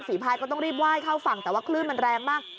พายก็ต้องรีบไหว้เข้าฝั่งแต่ว่าคลื่นมันแรงมาก